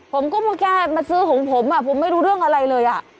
ผมก็แค่มาซื้อของผมผมไม่รู้เรื่องอะไรเลย